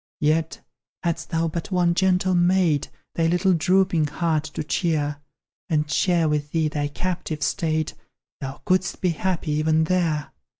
Yet, hadst thou but one gentle mate Thy little drooping heart to cheer, And share with thee thy captive state, Thou couldst be happy even there.